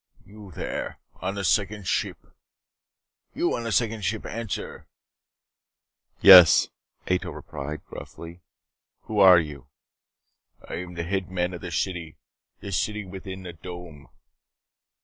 "You there, on the Second ship. You on the second ship. Answer." "Yes!" Ato replied gruffly. "Who are you?" "I am the head man of the city the city within the dome."